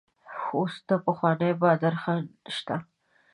اوس نه پخوانی بادر خان شته.